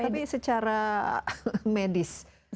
tapi secara medis apakah sudah bertukar